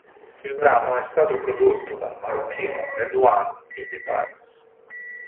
Il brano è stato prodotto dal marocchino RedOne e De Paris.